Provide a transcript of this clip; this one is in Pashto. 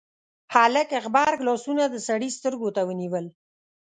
هلک غبرګ لاسونه د سړي سترګو ته ونيول: